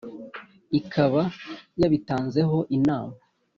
ikaba ya bitanzeho inama